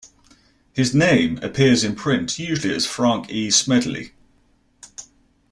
His name appears in print usually as Frank E. Smedley.